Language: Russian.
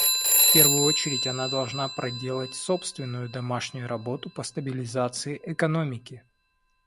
В первую очередь, она должна проделать собственную домашнюю работу по стабилизации экономики.